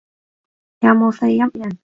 有冇四邑人